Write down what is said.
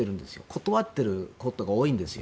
断ってることが多いんです。